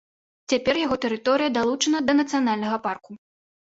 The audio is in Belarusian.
Цяпер яго тэрыторыя далучаная да нацыянальнага парку.